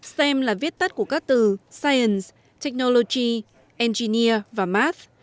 stem là viết tắt của các từ science technology engineer và math